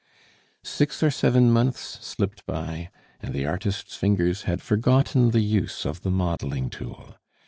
Six or seven months slipped by, and the artist's fingers had forgotten the use of the modeling tool.